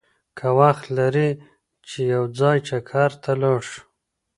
که وخت لرې چې یو ځای چکر ته لاړ شو!